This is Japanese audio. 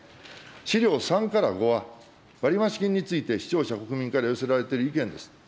資料３から５は、割増金について視聴者、国民から寄せられている意見です。